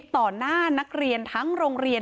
ต่อหน้านักเรียนทั้งโรงเรียน